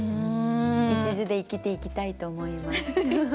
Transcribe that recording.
いちずで生きていきたいと思います。